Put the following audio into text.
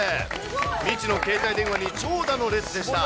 未知の携帯電話に長蛇の列でした。